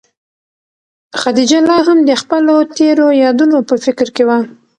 خدیجه لا هم د خپلو تېرو یادونو په فکر کې وه.